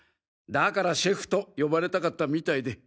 だからシェフと呼ばれたかったみたいで。